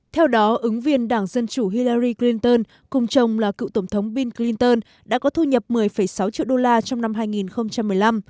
theo đó ứng viên đảng dân chủ hillary clinton cùng chồng là cựu tổng thống bill clinton đã có thu nhập một mươi sáu triệu đô la trong năm hai nghìn một mươi năm